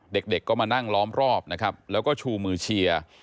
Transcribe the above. เด็กก็มานั่งล้อมรอบนะครับแล้วก็ชูมือเชียร์